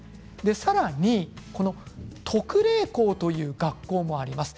さらに特例校という学校もあります。